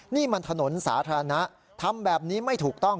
นี่มันถนนสาธารณะทำแบบนี้ไม่ถูกต้อง